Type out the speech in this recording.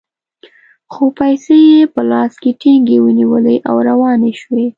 خو پیسې یې په لاس کې ټینګې ونیولې او روانې شوې.